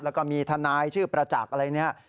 แล้วก็มีทนายชื่อประจักษ์อะไรเนี่ย